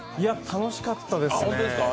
楽しかったですね。